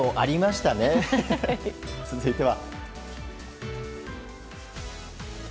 続いては。